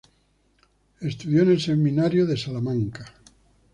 Estudió en el seminario de Salamanca.